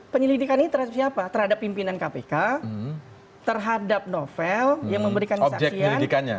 penyelidikan ini terhadap siapa terhadap pimpinan kpk terhadap novel yang memberikan kesaksian